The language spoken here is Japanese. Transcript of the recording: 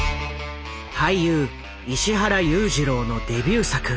俳優石原裕次郎のデビュー作。